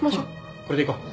これでいこう。